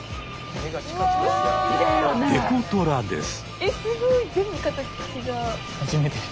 デコトラです。